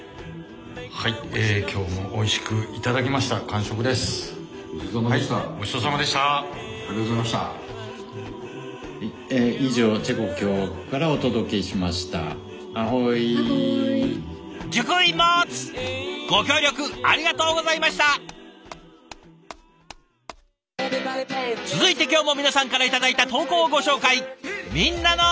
続いて今日も皆さんから頂いた投稿をご紹介。